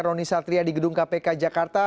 roni satria di gedung kpk jakarta